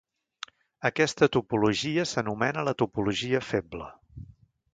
Aquesta topologia s'anomena la topologia feble.